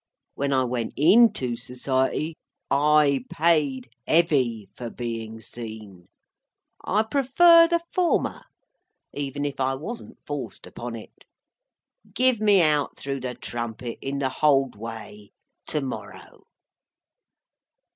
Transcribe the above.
When I went into Society, I paid heavy for being seen. I prefer the former, even if I wasn't forced upon it. Give me out through the trumpet, in the hold way, to morrow."